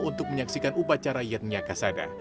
untuk menyaksikan upacara yatnya kasada